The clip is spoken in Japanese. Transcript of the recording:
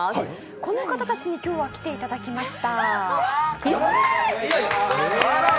この方たちに今日は来ていただきました。